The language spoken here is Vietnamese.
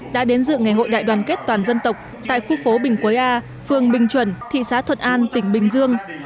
đã đến dự ngày hội đại đoàn kết toàn dân tộc tại khu phố bình quế a phường bình chuẩn thị xã thuận an tỉnh bình dương